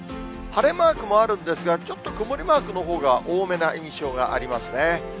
晴れマークもあるんですが、ちょっと曇りマークのほうが多めな印象がありますね。